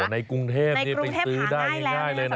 ในกรุงเทพนี่ไปซื้อได้ง่ายเลยนะ